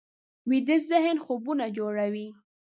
ویده ذهن خوبونه جوړوي